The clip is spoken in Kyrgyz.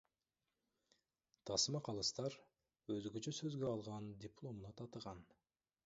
Тасма Калыстар өзгөчө сөзгө алган дипломуна татыган.